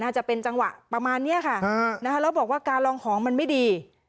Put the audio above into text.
จะเป็นจังหวะประมาณนี้ค่ะแล้วบอกว่าการลองของมันไม่ดี